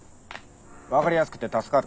分かりやすくって助かる。